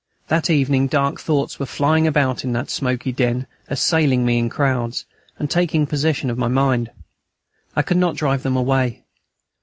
That evening dark thoughts were flying about in that smoky den, assailing me in crowds, and taking possession of my mind; I could not drive them away.